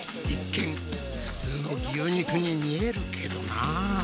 一見普通の牛肉に見えるけどなぁ。